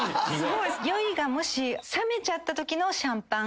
酔いがもしさめちゃったときのシャンパン。